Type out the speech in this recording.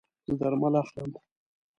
زه درمل اخلم